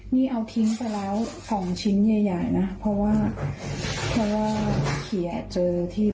นี่เอาทิ้งไปแล้ว๒ชิ้นใหญ่นะเพราะว่าเขียนเจอที่